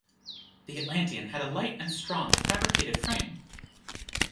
The Atlantean had a light and strong fabricated frame.